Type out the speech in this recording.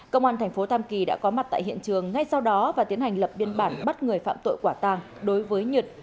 công an thành phố tam kỳ đã có mặt tại hiện trường ngay sau đó và tiến hành lập biên bản bắt người phạm tội quả tàng đối với nhật